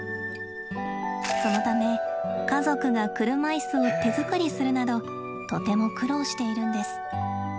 そのため家族が車椅子を手作りするなどとても苦労しているんです。